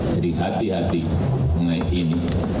jadi hati hati mengenai ini